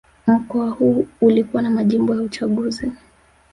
Mkoa huu ulikuwa na majimbo ya uchaguzi